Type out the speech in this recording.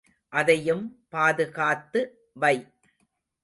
அதையும் பாதுகாத்து வை.